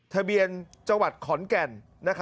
ทะเบียนจังหวัดขอนแก่น